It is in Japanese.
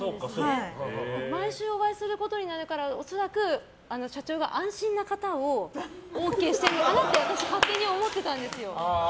毎週お会いすることになるから恐らく社長が安心な方をＯＫにしてるのかなと私、勝手に思ってたんですよ。